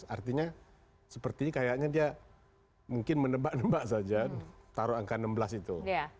artinya sepertinya kayaknya dia mungkin menebak nebak saja taruh angka enam belas itu